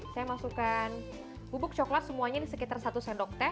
saya masukkan bubuk coklat semuanya ini sekitar satu sendok teh